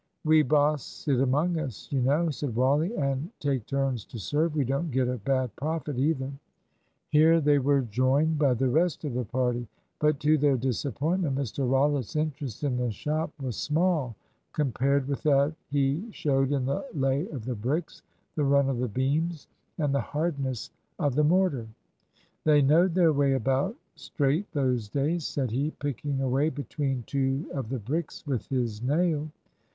"We boss it among us, you know," said Wally, "and take turns to serve. We don't get a bad profit either." Here they were joined by the rest of the party. But to their disappointment Mr Rollitt's interest in the shop was small compared with that he showed in the lay of the bricks, the run of the beams, and the hardness of the mortar. "They knowed their way about, straight, those days," said he, picking away between two of the bricks with his nail.